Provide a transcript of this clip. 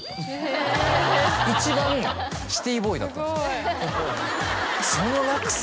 一番シティーボーイだったんです。